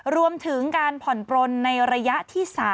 รวมถึงการผ่อนปลนในระยะที่๓